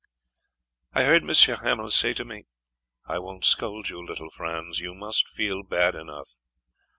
I heard M. Hamel say to me: "I won't scold you, little Franz; you must feel bad enough.